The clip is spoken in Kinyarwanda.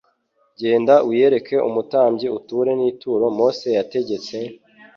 Genda wiyereke umutambyi uture n'ituro Mose yategetse,